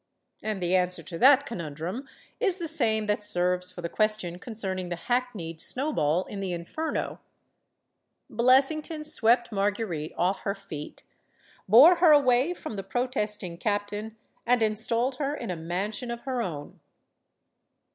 And the answer to that conundrum is the same that serves for the question concerning the hackneyed snow* ball in the Inferno. Blessington swept Marguerite off her feet, bore her. away from the protesting captain and installed her in a mansion of her own.